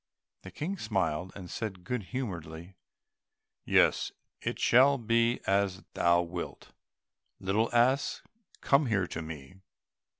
The King smiled, and said good humouredly, "Yes, it shall be as thou wilt, little ass, come here to me."